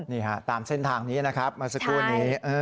นี่ฮะตามเส้นทางนี้นะครับเมื่อสักครู่นี้